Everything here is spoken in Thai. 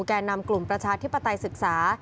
แก่นำกลุ่มประชาธิปไตยศึกษา